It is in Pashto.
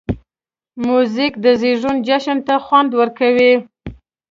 موزیک د زېږون جشن ته خوند ورکوي.